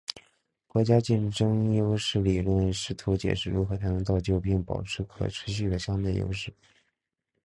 国家竞争优势理论试图解释如何才能造就并保持可持续的相对优势。